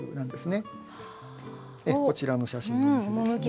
こちらの写真のお店ですね。